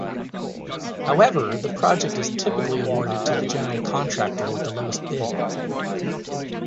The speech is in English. However, the project is typically awarded to the general contractor with the lowest bid.